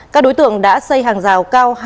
các đối tượng đã xây hàng rào cao